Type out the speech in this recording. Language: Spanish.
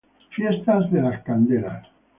Fiestas de las Candelas.